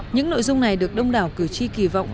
những nội dung này được đông đảo cử tri kỳ vọng